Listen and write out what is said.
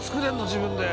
自分で。